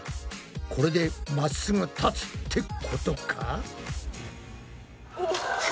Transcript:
これでまっすぐ立つってことか？